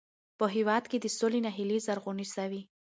په هېواد کې د سولې هیلې زرغونې سوې.